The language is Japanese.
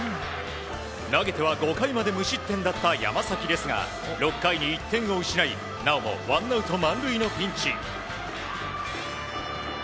投げては５回まで無失点だった山崎ですが６回に１点を失いなおもワンアウト満塁のピンチ。